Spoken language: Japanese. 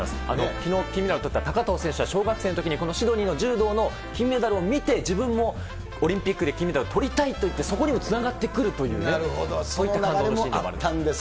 きのう、金メダルとった高藤選手は小学生のときに、このシドニーの柔道の金メダルを見て、自分もオリンピックで金メダルとりたいといって、そこにもつながなるほど。そういったシーンでもあったんです。